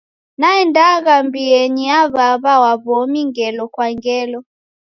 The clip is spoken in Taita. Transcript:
Naendagha mbienyi ya w'aw'a wa w'omi ngelo kwa ngelo.